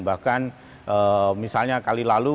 bahkan misalnya kali lalu